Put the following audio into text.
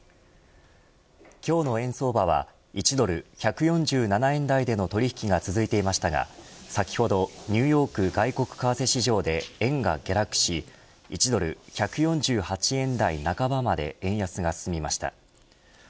今日の円相場は１ドル１４７円台での取引が続いていましたが先ほどニューヨーク外国為替市場で円が下落し１ドル１４８円台半ばまで円安が進みました。